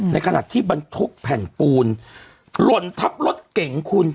ในขณะที่บรรทุกแผ่นปูนหล่นทับรถเก่งคุณ